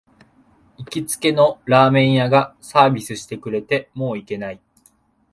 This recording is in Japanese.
行きつけのラーメン屋がサービスしてくれて、もう行けない